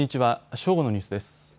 正午のニュースです。